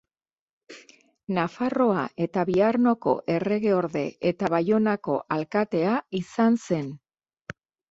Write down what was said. Nafarroa eta Biarnoko erregeorde eta Baionako alkatea izan zen.